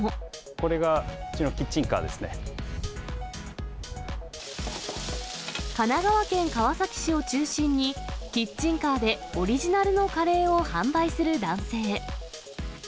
これが、うちのキッチンカー神奈川県川崎市を中心に、キッチンカーでオリジナルのカレーを販売する男性。